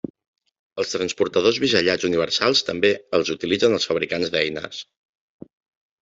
Els transportadors bisellats universals també els utilitzen els fabricants d'eines.